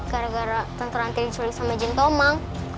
gara gara tante ranti diculik sama jintomang